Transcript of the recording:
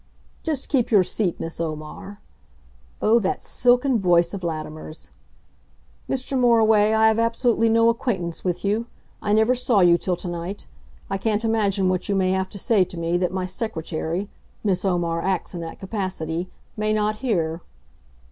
"Just keep your seat, Miss Omar." Oh, that silken voice of Latimer's! "Mr. Moriway, I have absolutely no acquaintance with you. I never saw you till to night. I can't imagine what you may have to say to me, that my secretary Miss Omar acts in that capacity may not hear."